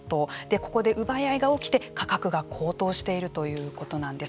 ここで奪い合いが起きて価格が高騰しているということなんです。